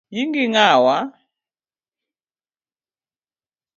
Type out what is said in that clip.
Nyingi ng’awa?